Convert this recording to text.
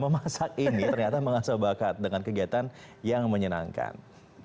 memasak ini ternyata mengasah bakat dengan kegiatan yang menyenangkan